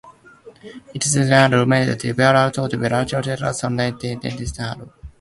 Indze ruma ma Zigəla epilire bangəla uvar a, uɗuva gadəra nehe cici.